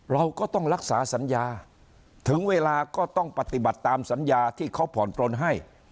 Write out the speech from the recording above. เราก็ต้องรักษาสัญญาถึงเวลาก็ต้องปฏิบัติตามสัญญาที่เขาผ่อนปลนให้